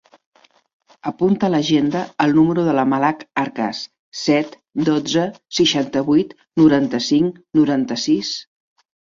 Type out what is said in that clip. Apunta a l'agenda el número de la Malak Arcas: set, dotze, seixanta-vuit, noranta-cinc, noranta-sis.